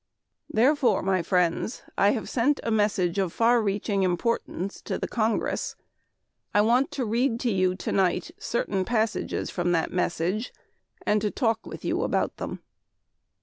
Therefore, my friends, I have sent a message of far reaching importance to the Congress. I want to read to you tonight certain passages from that message, and to talk with you about them.